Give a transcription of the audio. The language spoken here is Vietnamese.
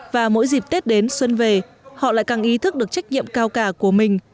và mỗi dịp tết đến xuân về họ lại càng ý thức được trách nhiệm cao cả của mình